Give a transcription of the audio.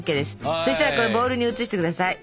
そしたらこれボールに移して下さい。